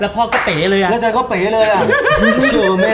แล้วพ่อก็เป๋เลยอ่ะ